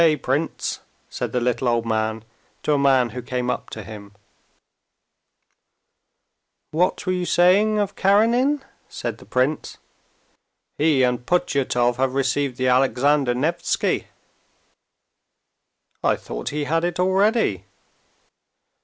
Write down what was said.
"Good day, prince!" said the little old man to a man who came up to him. "What were you saying of Karenin?" said the prince. "He and Putyatov have received the Alexander Nevsky." "I thought he had it already."